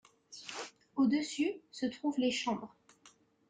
Au-dessus, se trouvent les chambres.